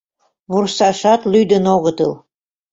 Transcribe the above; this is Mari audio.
Вурсашат лӱдын огытыл.